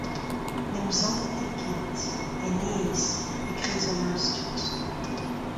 N'en em sante ket en aes e kreiz an astud.